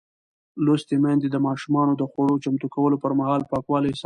لوستې میندې د ماشومانو د خوړو چمتو کولو پر مهال پاکوالی ساتي.